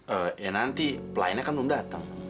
eh ya nanti pelayannya kan belum datang